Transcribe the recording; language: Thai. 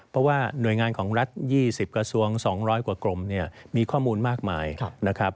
เพราะว่าหน่วยงานของรัฐ๒๐กระทรวง๒๐๐กว่ากรมเนี่ยมีข้อมูลมากมายนะครับ